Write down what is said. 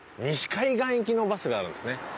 西海岸行きのバスがあるんですね。